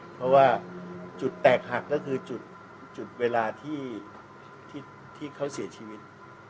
เพราะว่าจุดแตกหักก็คือจุดเวลาที่เขาเสียชีวิต